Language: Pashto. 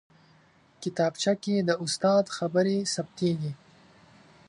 کتابچه کې د استاد خبرې ثبتېږي